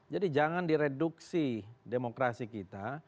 jadi jangan direduksi demokrasi kita